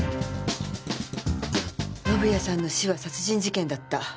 宣也さんの死は殺人事件だった。